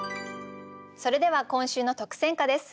それでは今週の特選歌です。